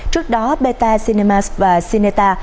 trước đó beta cinemas và cineta